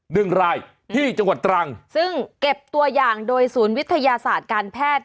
หนึ่งรายที่จังหวัดตรังซึ่งเก็บตัวอย่างโดยศูนย์วิทยาศาสตร์การแพทย์